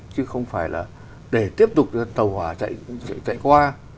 chứ không phải là để tiếp tục tàu hỏa chạy qua